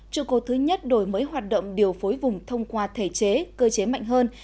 trụ cột thứ nhất đổi mới hoạt động điều phối vùng thông qua thể chế cơ chế mạnh hơn